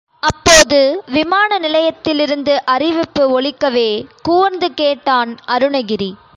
அப்போது விமான நிலையத்திலிருந்து அறிவிப்பு ஒலிக்கவே கூர்ந்து கேட்டான் அருணகிரி.